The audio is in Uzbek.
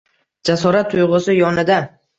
Jasorat tuyg’usi yonida